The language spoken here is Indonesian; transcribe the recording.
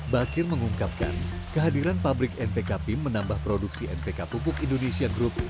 bakir mengungkapkan kehadiran pabrik npk pim menambah produksi npk pupuk indonesia group